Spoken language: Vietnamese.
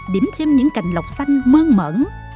điểm thêm những cành lọc xanh mơn mẩn